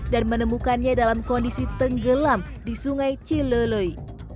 dan menemukannya dalam kondisi tenggelam di sungai cilului